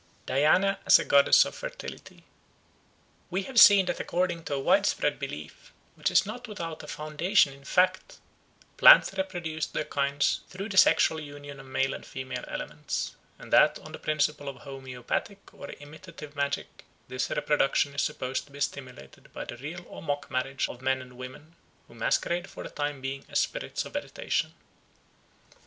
Diana as a Goddess of Fertility WE have seen that according to a widespread belief, which is not without a foundation in fact, plants reproduce their kinds through the sexual union of male and female elements, and that on the principle of homoeopathic or imitative magic this reproduction is supposed to be stimulated by the real or mock marriage of men and women, who masquerade for the time being as spirits of vegetation.